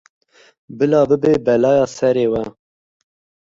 Bila bibe belayê serê we.